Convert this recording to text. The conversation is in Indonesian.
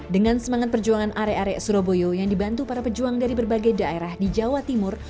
dengan semangat perjuangan arek arek surabaya yang dibantu para pejuang dari berbagai daerah di jawa timur